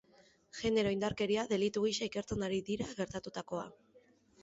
Genero indarkeria delitu gisa ikertzen ari dira gertatutakoa.